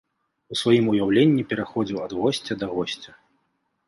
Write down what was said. У сваім уяўленні пераходзіў ад госця да госця.